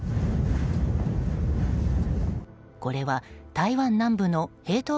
これは台湾南部のヘイトウ